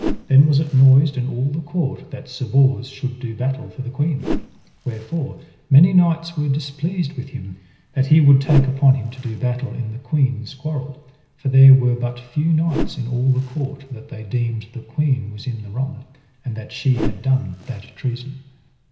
Then was it noised in all the court that Sir Bors should do battle for the queen; wherefore many knights were displeased with him, that he would take upon him to do battle in the queen's quarrel; for there were but few knights in all the court but they deemed the queen was in the wrong, and that she had done that treason.